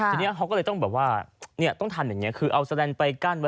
ทีนี้เขาก็เลยต้องแบบว่าต้องทำอย่างนี้คือเอาสแลนไปกั้นไว้